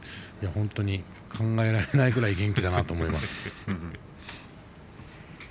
本当に考えられないくらい元気だなと思います。